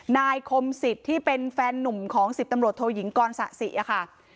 นายคมสิทธิ์ที่เป็นแฟนหนุ่มของ๑๐ตำรวจโทยิงกรสะสิค่ะ